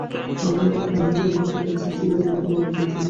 আমরা এমন কারো সাথে পাঙ্গা নিচ্ছি যে এই জায়গাটা ভালোভাবে চেনে।